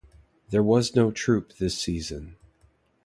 There was no troupe this season.